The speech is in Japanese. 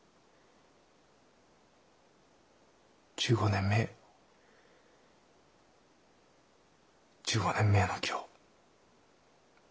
１５年前１５年前の今日。